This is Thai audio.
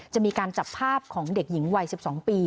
จะมีการจับภาพของเด็กหญิงวัย๑๒ปี